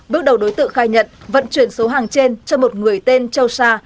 bước đầu đối tượng khai nhận vận chuyển số hàng trên cho một người tên châu sa